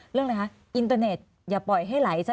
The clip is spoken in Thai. เรื่องอะไรคะอินเตอร์เน็ตอย่าปล่อยให้ไหลซะ